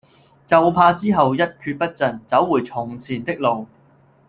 就怕之後一厥不振，走回從前的路